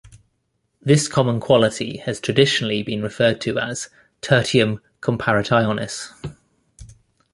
This common quality has traditionally been referred to as "tertium comparationis".